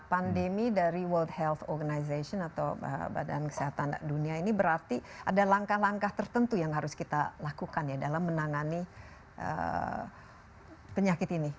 pandemi dari world health organization atau badan kesehatan dunia ini berarti ada langkah langkah tertentu yang harus kita lakukan ya dalam menangani penyakit ini